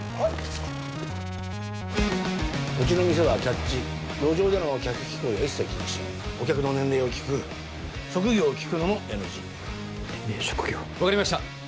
うちの店はキャッチ路上での客引き行為は一切禁止お客の年齢を聞く職業を聞くのもＮＧ年齢職業分かりました